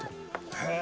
へえ！